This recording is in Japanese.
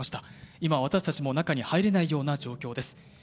今、私たちも中に入れないような状況です。